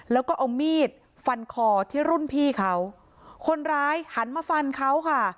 แล้วก็เอามีดฟันคอที่รุ่นพี่เขาคนร้ายหันมาฟันเขาค่ะ